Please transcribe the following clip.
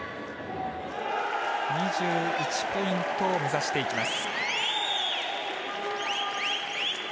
２１ポイントを目指していきます。